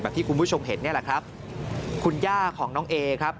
ที่คุณผู้ชมเห็นนี่แหละครับคุณย่าของน้องเอครับ